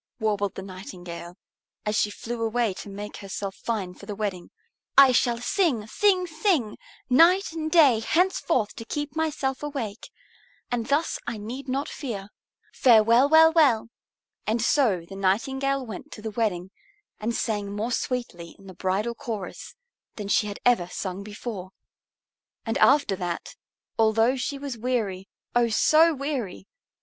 warbled the Nightingale, as she flew away to make herself fine for the wedding. "I shall sing, sing, sing night and day henceforth to keep myself awake. And thus I need not fear. Farewell well well!" And so the Nightingale went to the wedding and sang more sweetly in the bridal chorus than she had ever sung before. And after that, although she was weary, oh, so weary!